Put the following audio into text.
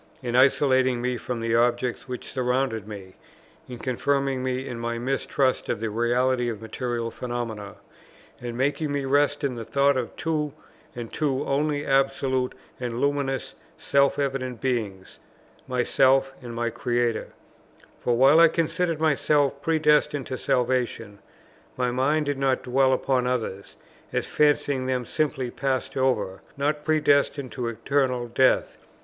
in isolating me from the objects which surrounded me, in confirming me in my mistrust of the reality of material phenomena, and making me rest in the thought of two and two only absolute and luminously self evident beings, myself and my Creator; for while I considered myself predestined to salvation, my mind did not dwell upon others, as fancying them simply passed over, not predestined to eternal death.